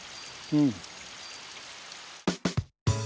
うん。